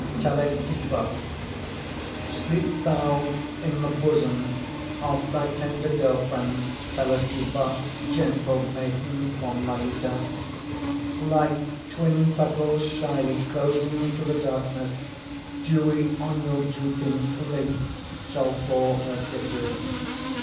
TELESIPPA Sleep thou in the bosom Of thy tender girl friend, Telesippa, gentle Maiden from Miletus. Like twin petals shyly Closing to the darkness, Dewy on your drooping Lids shall fall her kisses.